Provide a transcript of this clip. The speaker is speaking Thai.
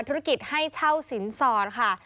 ธุรกิจให้เช่าสินสอดค่ะ